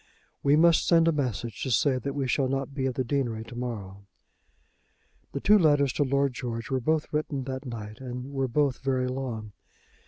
We must send a message to say that we shall not be at the deanery to morrow." The two letters to Lord George were both written that night, and were both very long.